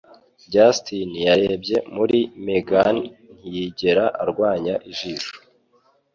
Justin yarebye kuri Megan, ntiyigera arwanya ijisho.